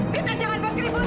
kita jangan buat keributan